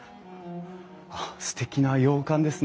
あっすてきな洋館ですね。